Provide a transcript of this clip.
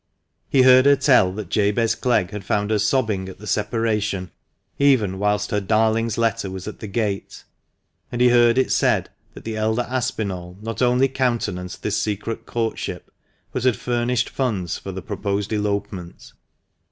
He heard her tell that Jabez Clegg had found her sobbing at the separation, even whilst her darling's letter was at the gate. And he heard it said that the elder Aspinall not only countenanced this secret courtship, but had furnished funds for the proposed elopement.